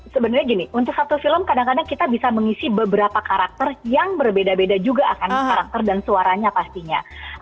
sebenarnya gini untuk satu film kadang kadang kita bisa mengisi beberapa karakter yang berbeda beda juga akan karakter dan suaranya pastinya